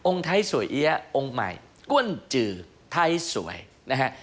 ไทยสวยเอี๊ยะองค์ใหม่ก้วนจือไทยสวยนะฮะ